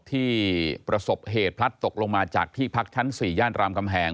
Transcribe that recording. ที่ประสบเหตุพลัดตกลงมาจากที่พักชั้น๔ย่านรามกำแหง